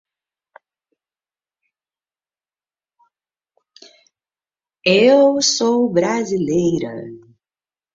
Eu sou da Irlanda.